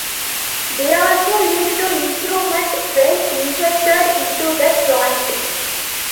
They also lead to improvement when injected into the joint.